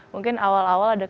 mungkin awal awal ada